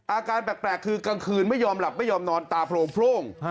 อาการแปลกคือกลางคืนไม่ยอมหลับไม่ยอมนอนตาโพรง